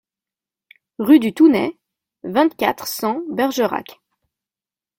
Rue du Tounet, vingt-quatre, cent Bergerac